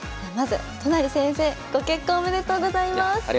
まず都成先生ご結婚おめでとうございます！